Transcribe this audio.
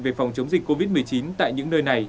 về phòng chống dịch covid một mươi chín tại những nơi này